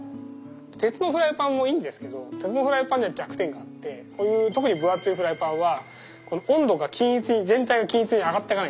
鉄のフライパンもいいんですけど鉄のフライパンには弱点があってこういう特に分厚いフライパンはこの温度が均一に全体が均一に上がってかないんですよ。